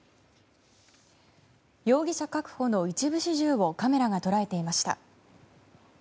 容疑者確保の一部始終をカメラが捉えていました。